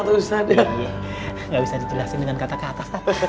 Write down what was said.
gak bisa dijelasin dengan kata kata